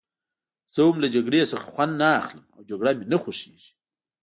زه هم له جګړې څخه خوند نه اخلم او جګړه مې نه خوښېږي.